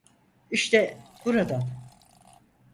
İşte buradan.